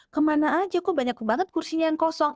kemana aja kok banyak banget kursinya yang kosong